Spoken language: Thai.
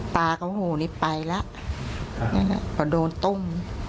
ตาก็หูนี้ไปแล้วพอโดนตุ้ม